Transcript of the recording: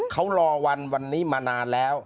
เขารอวันวันนี้มานานแล้ว